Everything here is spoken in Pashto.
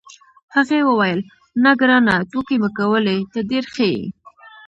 هغې وویل: نه، ګرانه، ټوکې مې کولې، ته ډېر ښه یې.